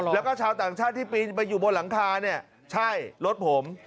แล้วก็ชาวต่างชาติที่ปีนไปอยู่บนหลังคาเนี่ยใช่รถผม